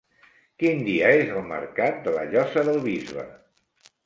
Quin dia és el mercat de la Llosa del Bisbe?